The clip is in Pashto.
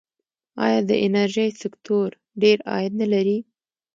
آیا د انرژۍ سکتور ډیر عاید نلري؟